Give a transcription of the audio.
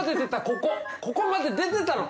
ここここまで出てたの！